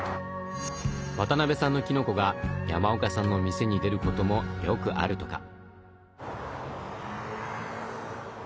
渡辺さんのきのこが山岡さんの店に出ることもよくあるとか。